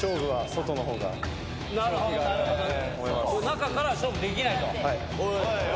中から勝負できないと。